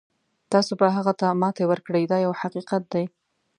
تاسو به هغه ته ماتې ورکړئ دا یو حقیقت دی.